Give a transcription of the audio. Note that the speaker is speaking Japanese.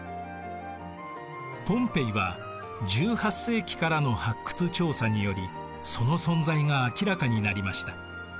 ポンペイは１８世紀からの発掘調査によりその存在が明らかになりました。